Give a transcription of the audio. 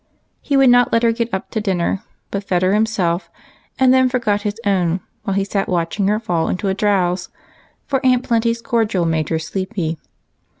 He would not let her get up to dinner, but fed her himself, and then forgot his own while he sat watching her fall into a drowse, for Aunt Plenty's cordial made her sleepy.